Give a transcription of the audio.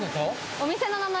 お店の名前。